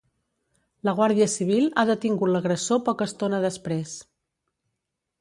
La guàrdia civil ha detingut l’agressor poca estona després.